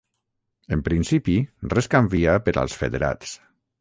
En principi, res canvia per als federats.